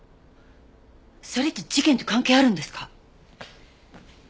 それって事件と関係あるんですか？